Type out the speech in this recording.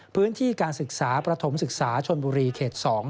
พื้นที่การศึกษาประถมศึกษาชนบุรีเขต๒